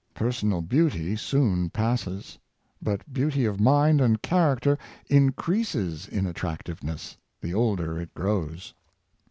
Personal beauty soon passes; but beauty of mind and character increases in attractiveness the older it grows.